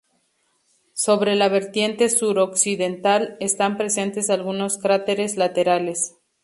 Sobre la vertiente suroccidental están presentes algunos cráteres laterales.